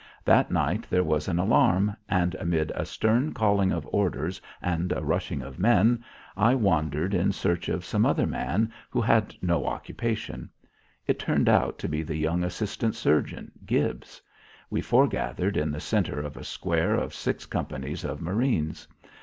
That night there was an alarm and amid a stern calling of orders and a rushing of men, I wandered in search of some other man who had no occupation. It turned out to be the young assistant surgeon, Gibbs. We foregathered in the centre of a square of six companies of marines.